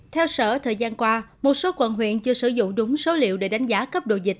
theo sở thời gian qua một số quận huyện chưa sử dụng đúng số liệu để đánh giá cấp độ dịch